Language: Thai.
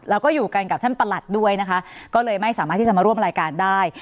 แล้วก็อยู่กันกับท่านประหลัดด้วยนะคะก็เลยไม่สามารถที่จะมาร่วมรายการได้